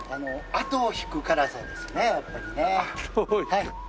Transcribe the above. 後を引く辛さですねやっぱりね。